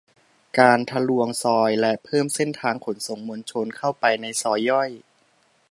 การทะลวงซอยและเพิ่มเส้นทางขนส่งมวลชน เข้าไปในซอยย่อย